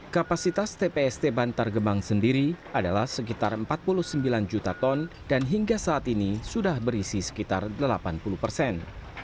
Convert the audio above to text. kapasitas tpst bantar gebang sendiri adalah sekitar empat puluh sembilan juta ton dan hingga saat ini sudah berisi sekitar delapan puluh persen